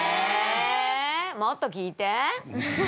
もっと聞いて！